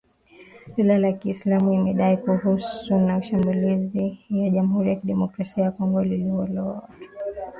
Dola ya Kiislamu imedai kuhusika na shambulizi la Jamhuri ya Kidemokrasia ya Kongo lililouwa watu kumi na tano